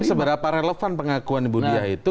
tapi seberapa relevan pengakuan ibu dia itu